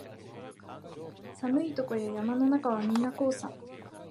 寒いとこや山の中はみんなこうさ